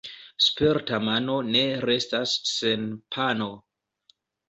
Sperta mano ne restas sen pano.